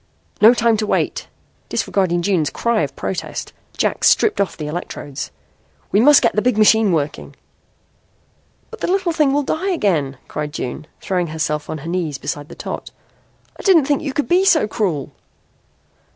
"No time to wait." Disregarding June's cry of protest Jack stripped off the electrodes. "We must get the big machine working." "But the little thing will die again," cried June, throwing herself on her knees beside the tot. "I didn't think you could be so cruel."